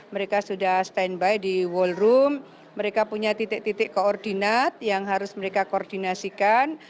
mereka sudah standby di wallroom mereka punya titik titik koordinat yang harus mereka koordinasikan